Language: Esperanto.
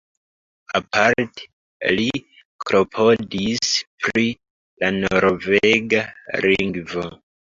Aparte li klopodis pri la norvega lingvo.